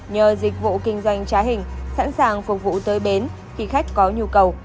nhờ dịch vụ kinh doanh trá hình sẵn sàng phục vụ tới bến khi khách có nhu cầu